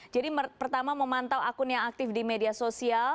jadi pertama memantau akun yang aktif di media sosial